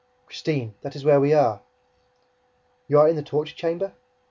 "Christine, that is where we are!" "You are in the torture chamber?"